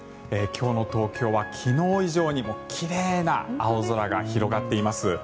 今日の東京は昨日以上に奇麗な青空が広がっています。